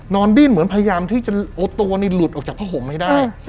ดิ้นเหมือนพยายามที่จะเอาตัวนี่หลุดออกจากผ้าห่มให้ได้